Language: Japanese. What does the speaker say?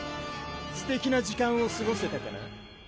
すてきな時間をすごせたかな？